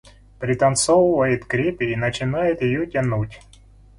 Пританцовывает к репе и начинает её тянуть.